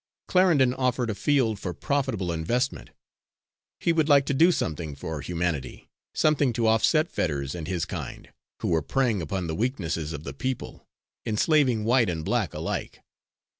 Clarendon offered a field for profitable investment. He would like to do something for humanity, something to offset Fetters and his kind, who were preying upon the weaknesses of the people, enslaving white and black alike.